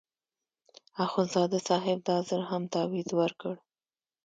اخندزاده صاحب دا ځل هم تاویز ورکړ.